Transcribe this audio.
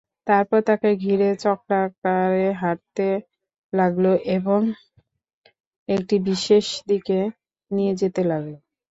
তারপর তাকে ঘিরে চক্রাকারে হাঁটতে লাগল এবং একটি বিশেষ দিকে নিয়ে যেতে লাগল।